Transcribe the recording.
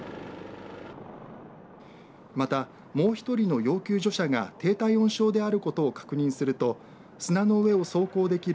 また、もう１人の要救助者が低体温症であることを確認すると砂の上を走行できる